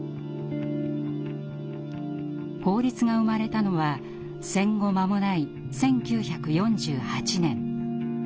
法律が生まれたのは戦後間もない１９４８年。